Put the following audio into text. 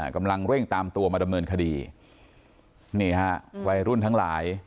กำลังเร่งตามตัวมาดำเนินคดีนี่ฮะวัยรุ่นทั้งหลาย